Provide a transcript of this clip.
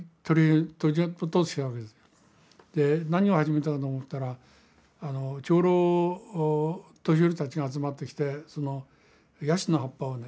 で何を始めたかと思ったら長老年寄りたちが集まってきてそのヤシの葉っぱをね